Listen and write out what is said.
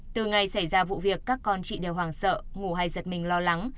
từ ngày xảy ra vụ việc các con chị đều hoảng sợ ngủ hay giật mình lo lắng